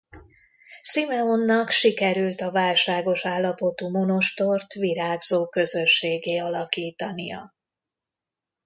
Simeonnak sikerült a válságos állapotú monostort virágzó közösséggé alakítania.